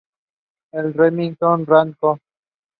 She is coached by Matti Liimatainen.